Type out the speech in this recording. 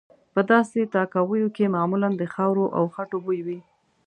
په داسې تاکاویو کې معمولا د خاورو او خټو بوی وي.